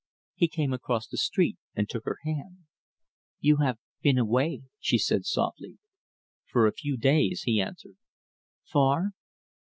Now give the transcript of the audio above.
He came across the street and took her hand. "You have been away," she said softly. "For a few days," he answered. "Far?"